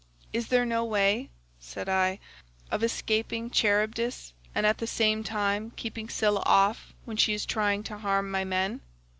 "'Is there no way,' said I, 'of escaping Charybdis, and at the same time keeping Scylla off when she is trying to harm my men?